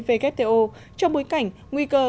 vgto trong bối cảnh nguy cơ